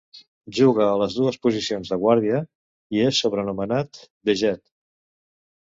Juga a les dues posicions de guàrdia i és sobrenomenat "The Jet".